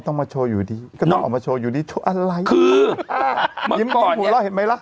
ต้องมาโชว์อยู่ดีก็ต้องออกมาโชว์อยู่ดีโชว์อะไรคือเห็นไหมล่ะ